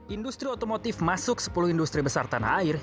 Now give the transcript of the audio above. industri otomotif masuk sepuluh industri besar tanah air